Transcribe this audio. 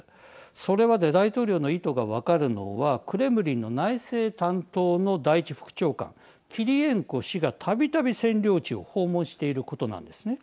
それまで大統領の意図が分かるのはクレムリンの内政担当の第１副長官、キリエンコ氏がたびたび占領地を訪問していることなんですね。